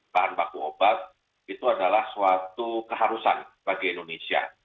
bahan baku obat itu adalah suatu keharusan bagi indonesia